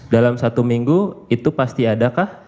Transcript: dalam satu minggu itu pasti adakah